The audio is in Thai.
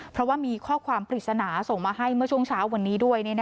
เพราะว่ามีข้อความปริศนาส่งมาให้เมื่อช่วงเช้าวันนี้ด้วย